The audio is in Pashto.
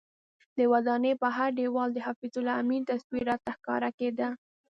د ودانۍ پر هر دیوال د حفیظ الله امین تصویر راته ښکاره کېده.